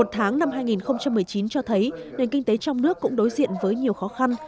một tháng năm hai nghìn một mươi chín cho thấy nền kinh tế trong nước cũng đối diện với nhiều khó khăn